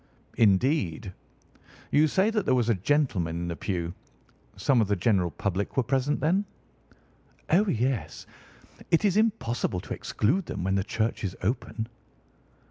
"Indeed! You say that there was a gentleman in the pew. Some of the general public were present, then?" "Oh, yes. It is impossible to exclude them when the church is open."